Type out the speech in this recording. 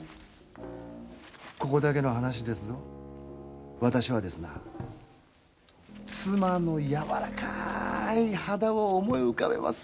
ここだけの話ですぞ私はですな、妻のやわらかい肌を思い浮かべまする。